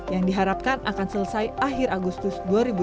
yang diharapkan akan selesai akhir agustus dua ribu dua puluh